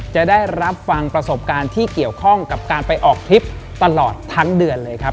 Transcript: จะได้รับฟังประสบการณ์ที่เกี่ยวข้องกับการไปออกทริปตลอดทั้งเดือนเลยครับ